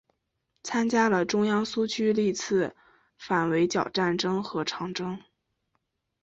参加了中央苏区历次反围剿战争和长征。